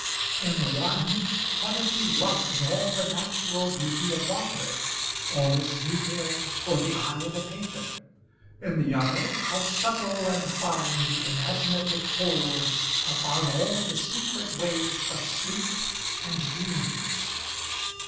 In the one, what a delight in all the natural beauty of water, all its details for the eye of a painter; in the other, how subtle and fine the imaginative hold upon all the secret ways of sleep and dreams!